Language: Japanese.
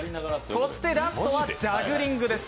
ラストはジャグリングです。